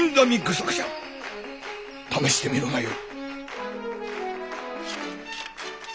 試してみるがよい。